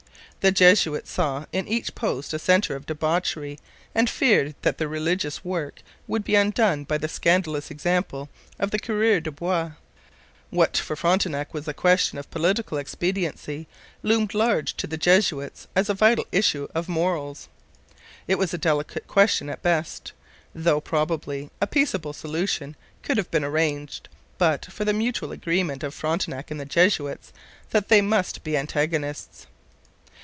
The Jesuits saw in each post a centre of debauchery and feared that their religious work would be undone by the scandalous example of the coureurs de bois. What for Frontenac was a question of political expediency loomed large to the Jesuits as a vital issue of morals. It was a delicate question at best, though probably a peaceable solution could have been arranged, but for the mutual agreement of Frontenac and the Jesuits that they must be antagonists.